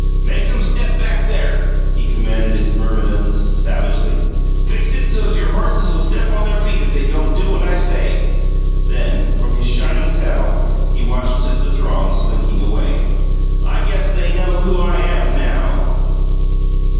"Make 'em step back there!" he commanded his myrmidons savagely. "Fix it so's your horses'll step on their feet if they don't do what I say!" Then, from his shining saddle, he watched the throngs slinking away. "I guess they know who I am NOW!"